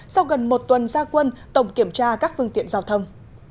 sau gần một tuần gia quân tổng kiểm tra các phương tiện giao thông